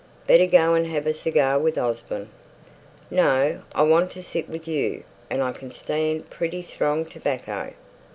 Better go and have a cigar with Osborne." "No. I want to sit with you, and I can stand pretty strong tobacco."